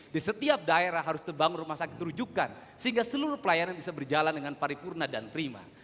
di setiap daerah harus terbangun rumah sakit terujukan sehingga seluruh pelayanan bisa berjalan dengan paripurna dan prima